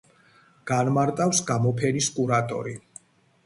განმარტავს გამოფენის კურატორი.